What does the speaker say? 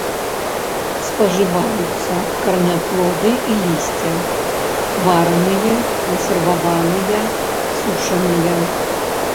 Спажываюцца караняплоды і лісце вараныя, кансерваваныя, сушаныя.